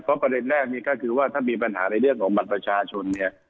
เพราะประเด็นแรกนี่ก็คือว่าถ้ามีปัญหาในเรื่องของบัตรประชาชนเนี่ย